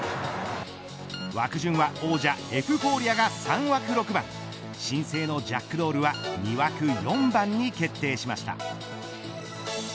枠順は王者エフフォーリアが３枠６番新星のジャックドールは２枠４番に決定しました。